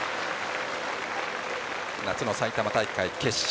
夏の埼玉大会決勝